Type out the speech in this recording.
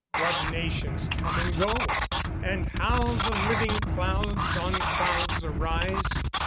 what nations come and go? And how the living clouds on clouds arise?